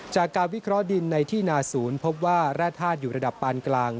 จากการวิเคราะห์ดินในที่นาศูนย์พบว่าแร่ธาตุอยู่ระดับปานกลาง